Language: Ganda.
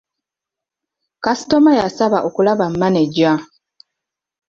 Kasitoma yasaba okulaba manejja.